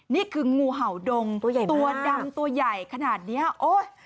นี่คืองูเห่าดงตัวใหญ่ตัวดำตัวใหญ่ขนาดเนี้ยโอ๊ย